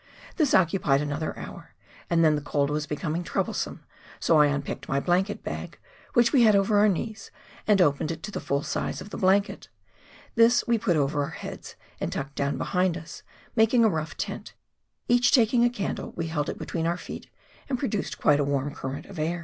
This occupied another hour, and then the cold was becoming troublesome, so I unpicked my blanket bag, which we had over our knees, and opened it to the full size of the blanket ; this we put over our heads, and tucked down behind us, making a rough tent ; each taking a candle we held it between our feet and produced quite a warm current of air.